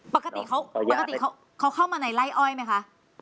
ปกติเขาเข้ามาในไร้อ้อยไหมคะ